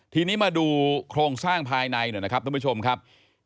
ทีนี้มาดูโครงสร้างภายในหน่อยนะครับท่านผู้ชมครับ